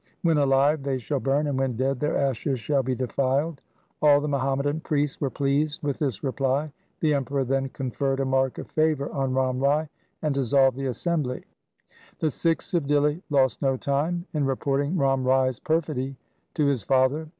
When alive they shall burn, and when dead their ashes shall be defiled.' All the Muhammadan priests were pleased with this reply. The Emperor then conferred a mark of favour on Ram Rai and dissolved the assembly. The Sikhs of Dihli lost no time in reporting Ram Rai's perfidy to his father.